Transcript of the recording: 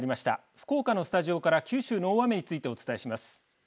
福岡のスタジオから九州の大雨についてお伝えします。